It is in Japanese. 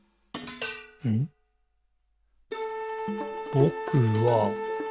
「ぼくは、」